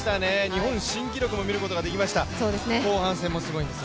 日本新記録を見ることもできました、後半戦もすごいんです。